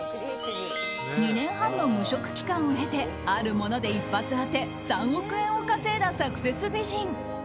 ２年半の無職期間を経てあるもので一発当て３億円を稼いだサクセス美人。